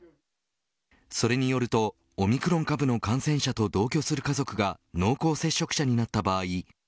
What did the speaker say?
それによるとオミクロン株の感染者と同居する家族が濃厚接触者になった場合